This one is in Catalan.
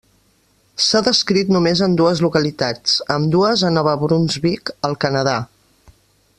S'ha descrit només en dues localitats, ambdues a Nova Brunsvic, al Canadà.